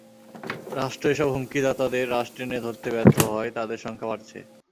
রাষ্ট্র এসব হুমকিদাতাদের রাশ টেনে ধরতে ব্যর্থ হওয়ায় তাদের সংখ্যা বাড়ছে।